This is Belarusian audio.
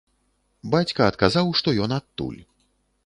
Бацька адказаў, што ён адтуль.